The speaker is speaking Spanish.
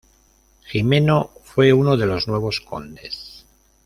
Jimeno fue uno de los nuevos condes.